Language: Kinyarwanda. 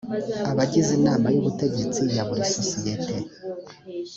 abagize inama y ubutegetsi ya buri sosiyete